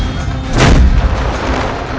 rayus rayus sensa pergi